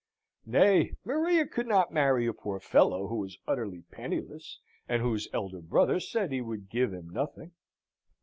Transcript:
"Nay, Maria could not marry a poor fellow who was utterly penniless, and whose elder brother said he would give him nothing!"